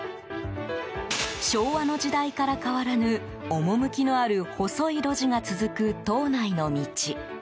昭和の時代から変わらぬ趣のある細い路地が続く島内の道。